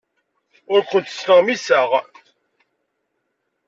Ur kent-ttnermiseɣ.